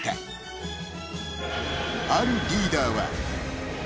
［あるリーダーは］